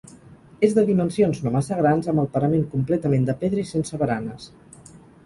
És de dimensions no massa grans, amb el parament completament de pedra i sense baranes.